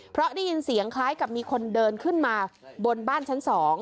เพราะได้ยินเสียงคล้ายกับมีคนเดินขึ้นมาบนบ้านชั้น๒